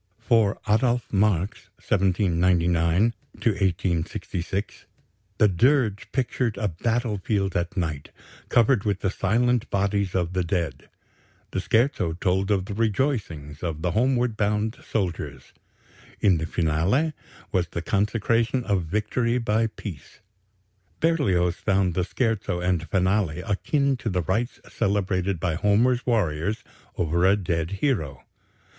For Adolph Marx (1799 1866) the dirge pictured a battle field at night, covered with the silent bodies of the dead; the scherzo told of the rejoicings of the homeward bound soldiers; in the finale was the consecration of victory by Peace. Berlioz found the scherzo and finale akin to the rites celebrated by Homer's warriors over a dead hero.